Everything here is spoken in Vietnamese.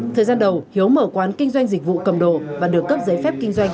thời gian đầu hiếu mở quán kinh doanh dịch vụ cầm đồ và được cấp giấy phép kinh doanh